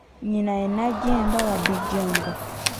Nnyina ye Najjemba, wa Dijonge.